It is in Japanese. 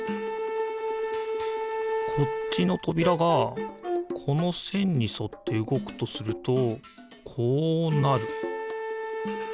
こっちのとびらがこのせんにそってうごくとするとこうなる。